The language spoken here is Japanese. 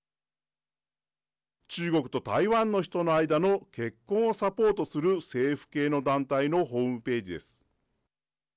中国と台湾の人の間の結婚をサポートする政府系の団体のホームページです。